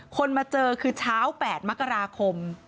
มาเจอคือเช้า๘มกราคม